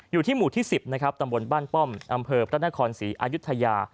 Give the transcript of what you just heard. อยู่ที่หมู่ที่๑๐นะครับตำบลบ้านป้อมอำเภอพระนครศรีอายุทยา